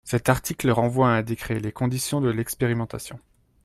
Cet article renvoie à un décret les conditions de l’expérimentation.